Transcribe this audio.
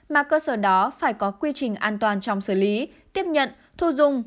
mà cơ sở đó phải có quy trình an toàn trong xử lý tiếp nhận thu dung